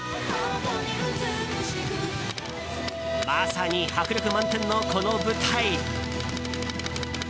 まさに迫力満点の、この舞台。